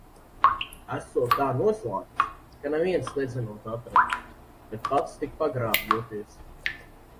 Esot tā noslēpts, ka neviens nezinot atrast, bet pats tik pagrābjoties.